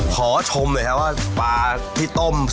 ขอชมหน่อยครับว่าปลาที่ต้ม